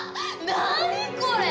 何これ！？